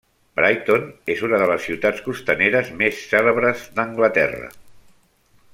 Brighton és una de les ciutats costaneres més cèlebres d'Anglaterra.